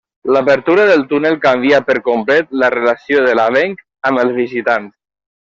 L'apertura del túnel canvià per complet la relació de l'avenc amb els visitants.